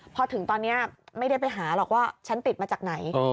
พอถึงตอนนี้ไม่ได้ไปหาหรอกว่าฉันติดมาจากไหน